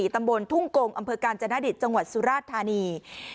ตำบลทุ่งกงอำเภอกาญจนดิตจังหวัดสุราชธานี